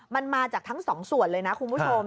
มันมาจากทั้งสองส่วนเลยนะคุณผู้ชม